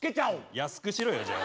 安くしろよじゃあ。